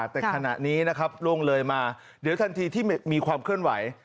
แต่ขณะนี้นะครับล่วงเลยมาเดี๋ยวทันทีที่มีความเคลื่อนไหว